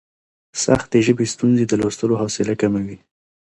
سختې ژبې ستونزې د لوستلو حوصله کموي.